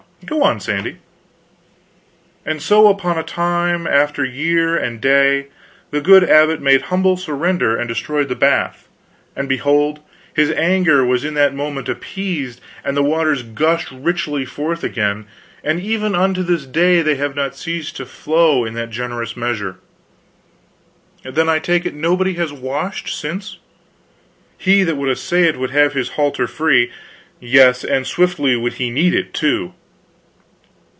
Go on, Sandy." "And so upon a time, after year and day, the good abbot made humble surrender and destroyed the bath. And behold, His anger was in that moment appeased, and the waters gushed richly forth again, and even unto this day they have not ceased to flow in that generous measure." "Then I take it nobody has washed since." "He that would essay it could have his halter free; yes, and swiftly would he need it, too."